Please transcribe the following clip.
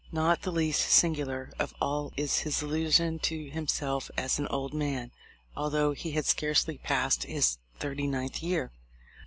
Not the least singular of all is his illusion to himself as an old man, although he had scarcely passed his thirty ninth year.